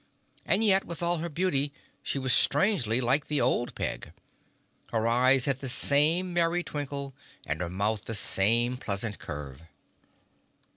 And yet, with all her beauty, she was strangely like the old Peg. Her eyes had the same merry twinkle and her mouth the same pleasant curve.